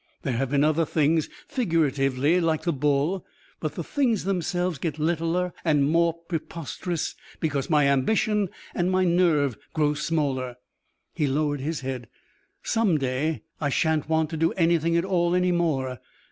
There have been other things figuratively like the bull. But the things themselves get littler and more preposterous, because my ambition and my nerve grows smaller." He lowered his head. "Some day I shan't want to do anything at all any more.